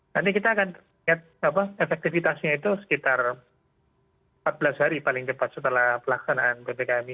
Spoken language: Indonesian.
nanti kita akan lihat efektivitasnya itu sekitar empat belas hari paling cepat setelah pelaksanaan ppkm ini